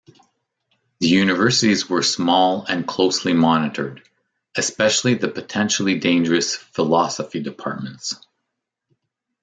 The universities were small and closely monitored, especially the potentially dangerous philosophy departments.